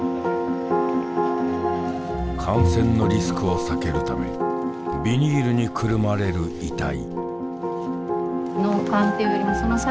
感染のリスクを避けるためビニールにくるまれる遺体。